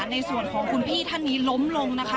ในส่วนของคุณพี่ท่านนี้ล้มลงนะคะ